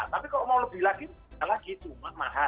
tapi kalau mau lebih lagi tidak lagi cuma mahal